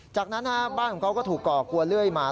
จากนั้นบ้านของเขาก็ถูกก่อกลัวเลื่อยมา